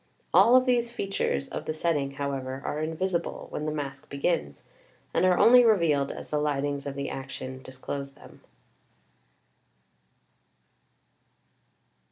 All of these features of the setting, however, are invisible when the Masque begins, and are only revealed as the lightings of the action dis close them.